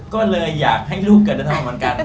ก็เลยอยากให้ลูกเกิดเดินทางเหมือนกัน